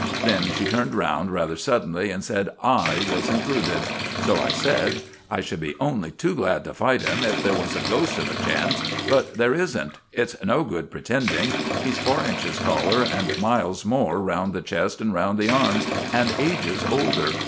Then she turned round rather suddenly and said I was included. So I said, 'I should be only too glad to fight him if there was a ghost of a chance, but there isn't. It's no good pretending. He's four inches taller, and miles more round the chest and round the arms, and ages older.